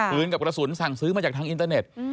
กับกระสุนสั่งซื้อมาจากทางอินเตอร์เน็ต